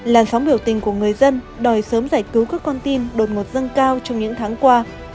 làn sóng biểu tình của người dân đòi sớm giải cứu các con tin đột ngột dâng cao trong những tháng qua